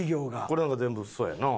これなんか全部そうやな。